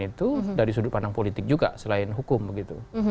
itu dari sudut pandang politik juga selain hukum begitu